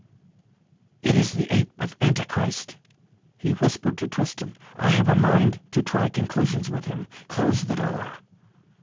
"It is the Ape of Antichrist," he whispered to Tristan. "I have a mind to try conclusions with him. Close the door."